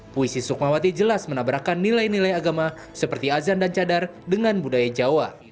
puisi sukmawati jelas menabrakkan nilai nilai agama seperti azan dan cadar dengan budaya jawa